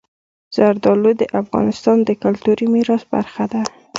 زردالو د افغانستان د کلتوري میراث برخه ده.